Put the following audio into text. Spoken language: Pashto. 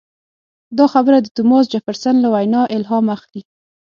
دا خبره د توماس جفرسن له وینا الهام اخلي.